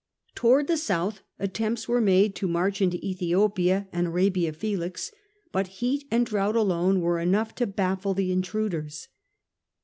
Towards the south attempts were made to march into ^Ethiopia and Arabia Felix, but heat and drought alone were enough to baffle the intruders.